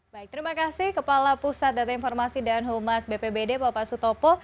baik terima kasih kepala pusat data informasi dan humas bpbd bapak sutopo